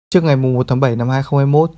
trước ngày một tháng bảy năm hai nghìn hai mươi một